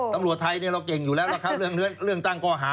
ตำรวจไทยเราเก่งอยู่แล้วนะครับเรื่องตั้งก้อหา